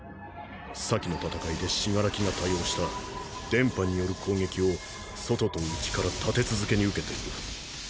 先の戦いで死柄木が多用した電波による攻撃を外と内から立て続けに受けている。